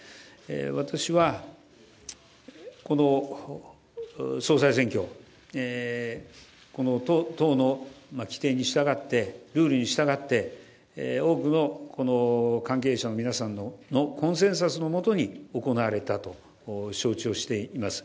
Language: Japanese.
私は、総裁選挙、党の規定に従ってルールに従って多くの関係者の皆さんのコンセンサスのもとに行われたと承知をしております。